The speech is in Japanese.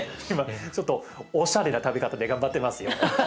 今ちょっとおしゃれな食べ方で頑張ってますよ。